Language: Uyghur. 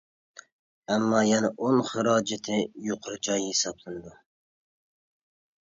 ئەمما يەنە ئۇن خىراجىتى يۇقىرى جاي ھېسابلىنىدۇ.